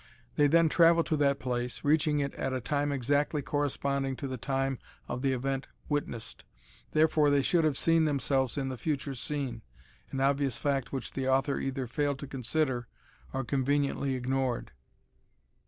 They then travel to that place, reaching it at a time exactly corresponding to the time of the event witnessed. Therefore, they should have seen themselves in the future scene an obvious fact which the author either failed to consider or conveniently ignored.